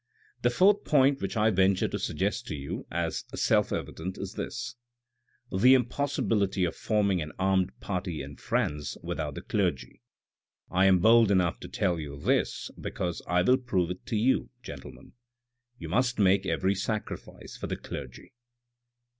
" The fourth point which I venture to suggest to you, as self evident, is this :" The impossibility of forming an armed party in France without the clergy. I am bold enough to tell you this because I will prove it to you, gentlemen. You must make every sacrifice for the clergy.